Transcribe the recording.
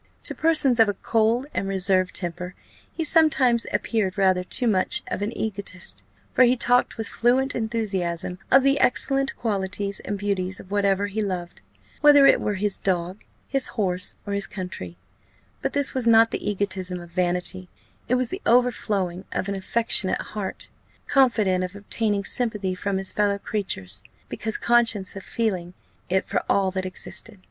To persons of a cold and reserved temper he sometimes appeared rather too much of an egotist: for he talked with fluent enthusiasm of the excellent qualities and beauties of whatever he loved, whether it were his dog, his horse, or his country: but this was not the egotism of vanity; it was the overflowing of an affectionate heart, confident of obtaining sympathy from his fellow creatures, because conscious of feeling it for all that existed.